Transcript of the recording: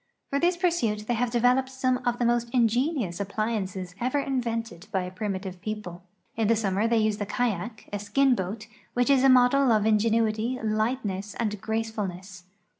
For this pursuit they have developed some of the most ingenious ap])liances ever invented by a primitive people. In the summer they use the kayak, a skin boat which is a model of ingenuity^ lightness, and gracefulness.